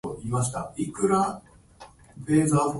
花火大会。